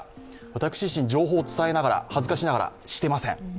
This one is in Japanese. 私自身、情報を伝えながら、恥ずかしながらしていません。